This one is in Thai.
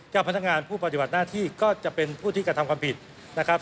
เจ้าพนักงานผู้ปฏิบัติหน้าที่ก็จะเป็นผู้ที่กระทำความผิดนะครับ